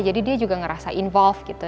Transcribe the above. jadi dia juga ngerasa involved gitu